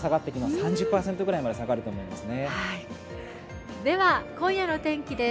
３０％ぐらいまで下がると思いますね。